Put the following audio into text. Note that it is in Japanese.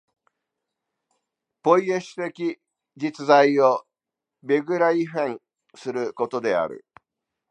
ポイエシス的に実在をベグライフェンすることである。